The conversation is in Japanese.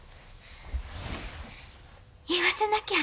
言わせなきゃ。